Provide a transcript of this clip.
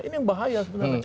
ini yang bahaya sebenarnya